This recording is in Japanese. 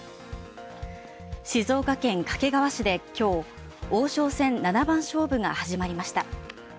静岡県掛川市で今日、王将戦７番勝負が始まりました。